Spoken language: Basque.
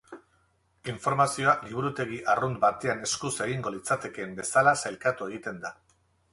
Informazioa, liburutegi arrunt batean eskuz egingo litzatekeen bezala sailkatu egiten da.